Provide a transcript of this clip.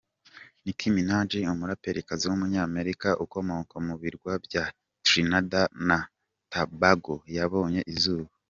Nicki Minaj, umuraperikazi w’umunyamerika ukomoka mu birwa bya Trinidad na Tobago yabonye izuba.